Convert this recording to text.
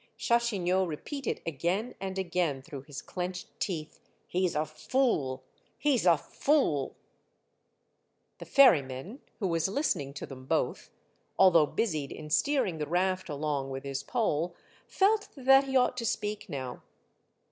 Chachignot repeated again and again through his clenched teeth, — ii6 Monday Tales, '' He 's a fool ! He 's a fool !'' The ferryman, who was listening to them both, although busied in steering the raft along with his pole, felt that he ought to speak now.